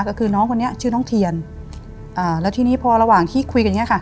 ก็คือน้องคนนี้ชื่อน้องเทียนอ่าแล้วทีนี้พอระหว่างที่คุยกันเนี้ยค่ะ